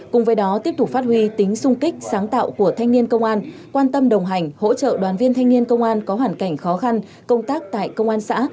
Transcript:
cùng với đó tiếp tục phát huy tính sung kích sáng tạo của thanh niên công an quan tâm đồng hành hỗ trợ đoàn viên thanh niên công an có hoàn cảnh khó khăn công tác tại công an xã